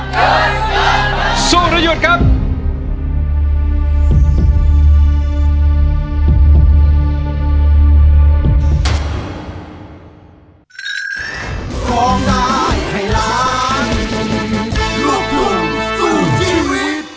หยุดหยุดหยุดหยุด